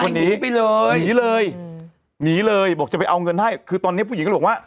วันนี้หนีไปเลยหนีเลยหนีเลยบอกจะไปเอาเงินให้คือตอนเนี้ยผู้หญิงก็บอกว่า